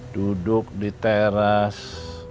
duduk di teras